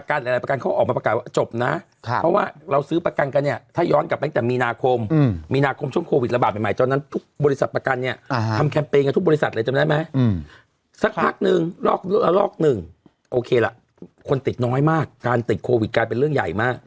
คนบางคนแบบก็มันก็ต้องมีวิธีหลายหลายวิธีอ่ะครับอืมอืม